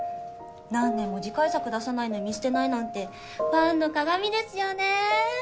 何年も次回作出さないのに見捨てないなんてファンの鑑ですよね。